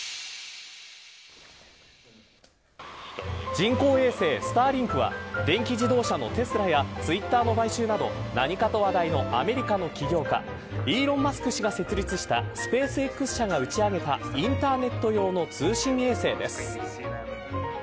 人工衛星、スターリンクは電気自動車のテスラやツイッターの買収など何かと話題のアメリカの起業家イーロン・マスク氏が設立したスペースＸ社が打ち上げたインターネット用の通信衛星です。